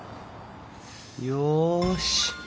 よし。